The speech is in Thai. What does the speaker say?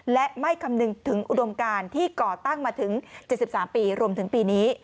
และไม่คำนึงถึงอุดมการที่ก่อตั้งมาถึง๗๓ปีรวมถึงปีนี้